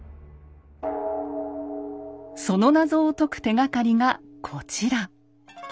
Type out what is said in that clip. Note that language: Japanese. その謎を解く手がかりがこちら。